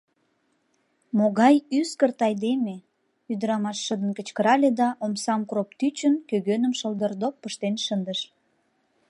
Могай ӱскырт айдеме! — ӱдырамаш шыдын кычкырале да, омсам кроп тӱчын, кӧгӧным шылдырдок пыштен шындыш.